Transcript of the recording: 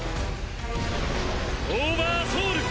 オーバーソウル！